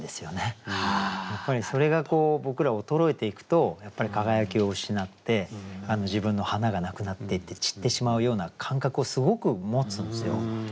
やっぱりそれが僕ら衰えていくと輝きを失って自分の花がなくなっていって散ってしまうような感覚をすごく持つんですよ。